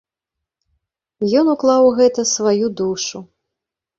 Ён уклаў у гэта сваю душу.